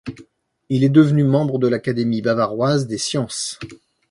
Il est devenu membre de l'Académie bavaroise des sciences.